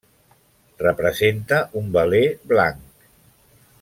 Representa un veler blanc.